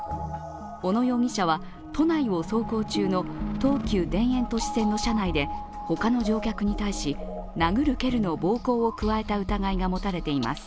小野容疑者は、都内を走行中の東急田園都市線の車内で他の乗客に対し、殴る蹴るの暴行を加えた疑いが持たれています。